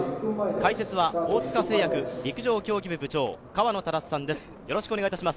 解説は大塚製薬陸上競技部部長河野匡さんです。